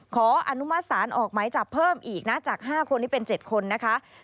ขออนุมัติศาลออกหมายจับเพิ่มอีกนะจาก๕คนนี้เป็น๗คนนะคะ